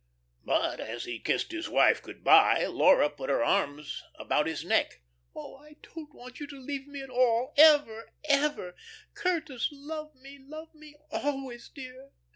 But, as he kissed his wife good by, Laura put her arms about his neck. "Oh, I don't want you to leave me at all, ever, ever! Curtis, love me, love me always, dear.